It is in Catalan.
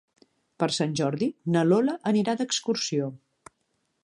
Per Sant Jordi na Lola anirà d'excursió.